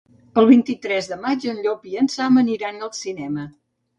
El vint-i-tres de maig en Llop i en Sam aniran al cinema.